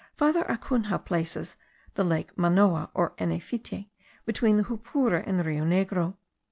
Father Acunha places the lake Manoa, or Yenefiti, between the Jupura and the Rio Negro.